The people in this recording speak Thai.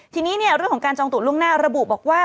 ทีนี้เรื่องของการจองตัวล่วงหน้าระบุบอกว่า